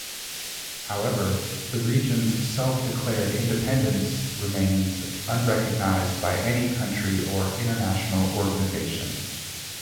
However, the region's self-declared independence remains unrecognized by any country or international organization.